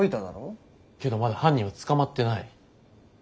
けどまだ犯人は捕まってない。